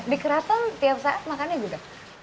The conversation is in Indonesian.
di keraton tiap saat makannya juga